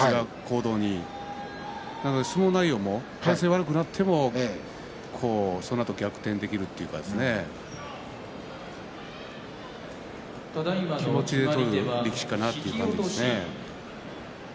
ですから相撲内容も体勢が悪くなっても、そのあと逆転できるというかね気持ちで取る力士かなという感じがしますね。